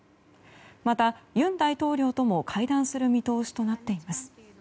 また、尹大統領とも会談する見通しとなっています。